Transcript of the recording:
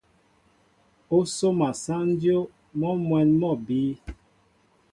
Ó sóma sáŋ dyów, mɔ́ mwɛ̌n mɔ́ a bíy.